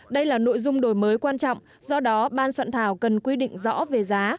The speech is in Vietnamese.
đây là nội dung đổi mới quan trọng do đó ban soạn thảo cần quy định rõ về giá